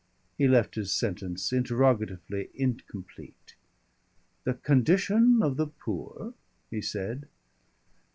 He left his sentence interrogatively incomplete. "The condition of the poor," he said.